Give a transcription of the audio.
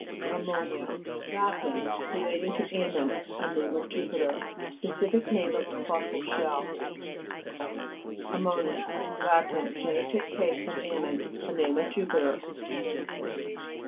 AMMO'NIA Lat. Relating to Am mon, a name of Jupiter. Specific name of a fossil shell, (p. 67.) AMMO'NIS Lat. Genitive case of Ammon, a name of Jupiter.